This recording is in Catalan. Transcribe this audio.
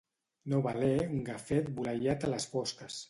No valer un gafet boleiat a les fosques.